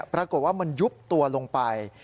ปรากฏว่ามันยุบตัวลงไป